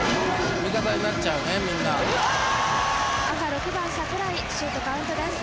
赤６番桜井シュートカウントです。